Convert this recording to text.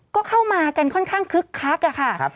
ก็เข้ามากันค่อนข้างคึกคักค่ะ